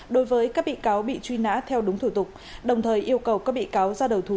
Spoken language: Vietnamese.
đối với các bị cáo bị truy nã theo đúng thủ tục đồng thời yêu cầu các bị cáo ra đầu thú